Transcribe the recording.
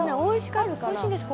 「美味しいんです